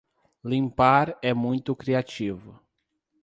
Limpar é muito criativo.